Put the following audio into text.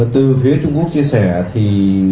từ phía trung quốc chia sẻ thì